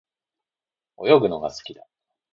泳ぐのが好きだ。